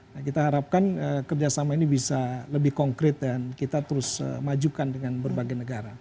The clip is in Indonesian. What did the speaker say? nah kita harapkan kerjasama ini bisa lebih konkret dan kita terus majukan dengan berbagai negara